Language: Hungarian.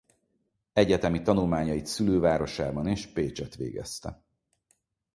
Egyetemi tanulmányait szülővárosában és Pécsett végezte.